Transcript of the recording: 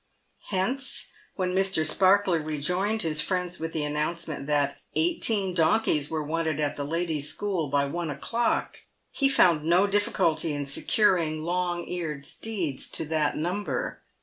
Hence, when Mr. Sparkler rejoined his friends with the announcement that eighteen donkeys were wanted at the ladies' school by one o'clock, he found no difficulty in securing long eared steeds to that number.